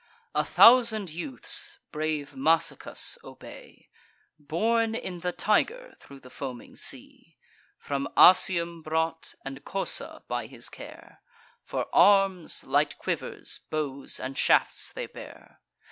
A thousand youths brave Massicus obey, Borne in the Tiger thro' the foaming sea; From Asium brought, and Cosa, by his care: For arms, light quivers, bows and shafts, they bear.